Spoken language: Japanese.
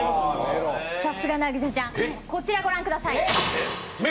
さすがなぎさちゃん、こちらご覧ください。